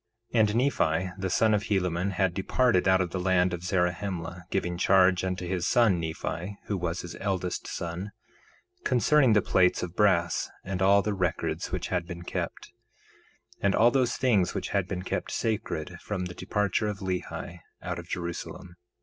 1:2 And Nephi, the son of Helaman, had departed out of the land of Zarahemla, giving charge unto his son Nephi, who was his eldest son, concerning the plates of brass, and all the records which had been kept, and all those things which had been kept sacred from the departure of Lehi out of Jerusalem.